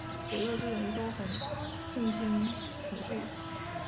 左右之人都很震惊恐惧。